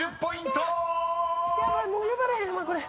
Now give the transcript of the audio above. もう呼ばれへんわこれ。